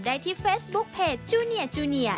ได้ที่เฟซบุ๊คเพจจูเนียจูเนีย